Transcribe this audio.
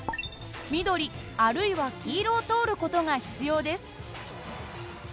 緑あるいは黄色を通る事が必要です。